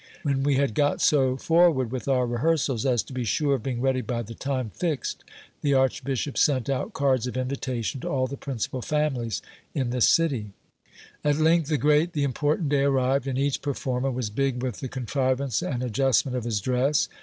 When we had got so forward with, our rehearsals as to be sure of . being ready by the time fixed, the archbishop sent out cards of invitation to all the principal families in the city. SCIPIffS STORY. 373 At length the great, the important day arrived ; and each performer was big •with the contrivance and adjustment of his dress.